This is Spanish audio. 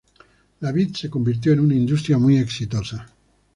La vid se convirtió en una industria muy exitosa.